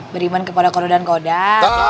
beriman kepada kodok kodok